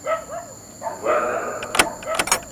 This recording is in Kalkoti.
وا نہ بہ۔